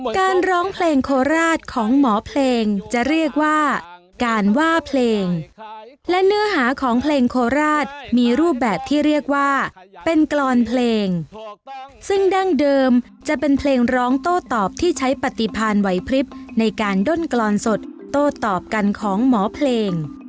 การร้องเพลงโคราชของหมอเพลงจะเรียกว่าการว่าเพลงและเนื้อหาของเพลงโคราชมีรูปแบบที่เรียกว่าเป็นกรอนเพลงซึ่งดั้งเดิมจะเป็นเพลงร้องโต้ตอบที่ใช้ปฏิพันธ์ไหวพลิบในการด้นกรอนสดโต้ตอบกันของหมอเพลง